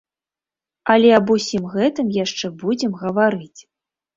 Але аб усім гэтым яшчэ будзем гаварыць.